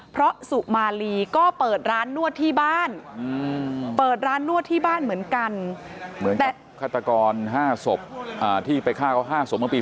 เพราะสุมารีก็เปิดร้านนวดที่บ้านเหมือนกับคาตะกร๕ศพที่ไปฆ่าเขา๕ศพเมื่อปี๒๕๔๘